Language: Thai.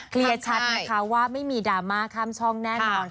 เคลียร์ชัดนะคะว่าไม่มีดราม่าข้ามช่องแน่นอน